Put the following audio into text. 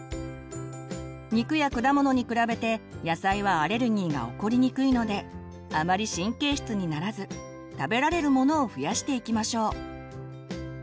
肉や果物に比べて野菜はアレルギーが起こりにくいのであまり神経質にならず食べられるものを増やしていきましょう。